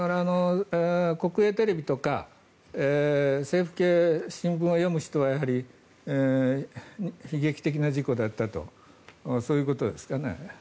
国営テレビとか政府系新聞を読む人はやはり、悲劇的な事故だったとそういうことですかね。